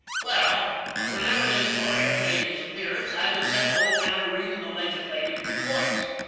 Wall, whenever this lawyer made his appearance I would set the old man a reading the Legislativ' reports.